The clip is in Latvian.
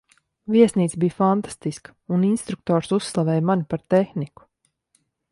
Viesnīca bija fantastiska, un instruktors uzslavēja mani par tehniku.